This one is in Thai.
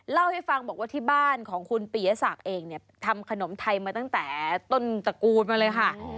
เล่าให้ฟังบอกว่าที่บ้านของคุณปียศักดิ์เองเนี่ยทำขนมไทยมาตั้งแต่ต้นตระกูลมาเลยค่ะ